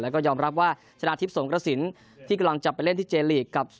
แล้วก็ยอมรับว่าชนะทิพย์สงกระสินที่กำลังจะไปเล่นที่เจลีกกับ